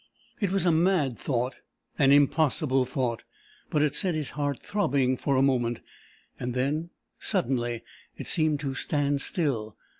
It was a mad thought, an impossible thought, but it set his heart throbbing for a moment. And then suddenly it seemed to stand still.